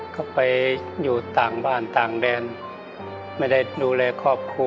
เขาไปอยู่ต่างบ้านต่างแดนไม่ได้ดูแลครอบครัว